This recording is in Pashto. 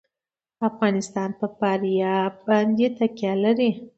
افغانستان په فاریاب باندې تکیه لري.